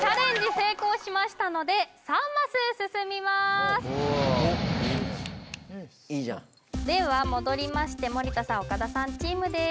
成功しましたので３マス進みますおっいいねいいじゃんでは戻りまして森田さん岡田さんチームです